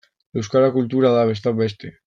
Euskara kultura da, besteak beste.